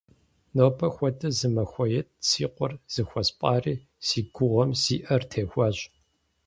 Нобэ хуэдэ зы махуает си къуэр зыхуэспӀари, си гугъэм си Ӏэр техуащ.